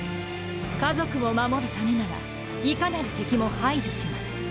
家族を守るためならいかなる敵も排除します。